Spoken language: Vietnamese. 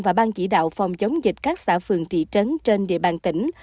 và ban chỉ đạo phòng chống dịch các xã phường thị trấn trên địa bàn tỉnh